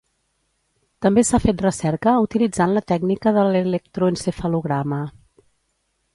També s'ha fet recerca utilitzant la tècnica de l'electroencefalograma.